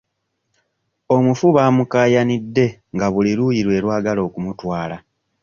Omufu bamukaayanidde nga buli luuyi lwe lwagala okumutwala.